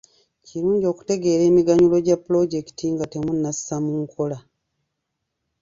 Kirungi okutegeera emiganyulo gya pulojekiti nga temunnassa mu nkola